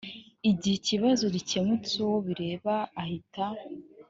igihe ikibazo gikemutse uwo bireba ahita